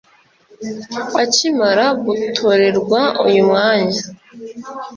Akimara gutorerwa uyu mwanya